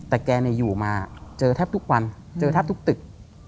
แต่แกอยู่มาเจอแทบทุกวันเจอแทบทุกตึก